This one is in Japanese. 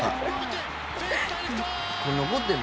これ、残ってるんだ。